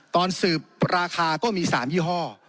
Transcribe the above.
ตอนสืบราคาก็มี๓ยี่ห้อ